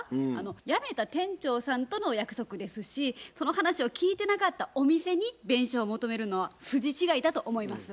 辞めた店長さんとの約束ですしその話を聞いてなかったお店に弁償を求めるのは筋違いだと思います。